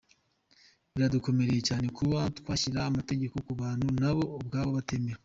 Biradukomereye cyane kuba twashyira amategeko ku bantu nabo ubwabo batemera.